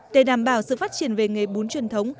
để đảm bảo sự phát triển về nghề bún truyền thống